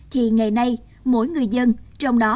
thì ngày nay mỗi người dân trong đó